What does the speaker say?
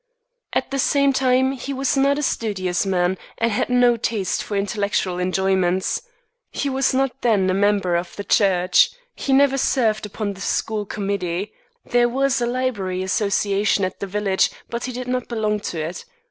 At the same time he was not a studious man, and had no taste for intellectual enjoyments. He was not then a member of the church. He never served upon the school committee. There was a Library Association at the next village, but he did not belong to it.